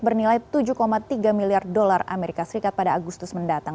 bernilai tujuh tiga miliar dolar as pada agustus mendatang